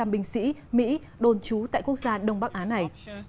hai mươi tám năm trăm linh binh sĩ mỹ đồn trú tại quốc gia đông bắc á này